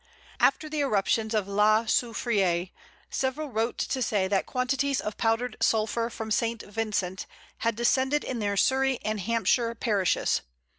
After the eruptions of La Soufriere, several wrote to say that quantities of powdered sulphur from St. Vincent had descended in their Surrey and Hampshire parishes!